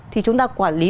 thì chúng ta quản lý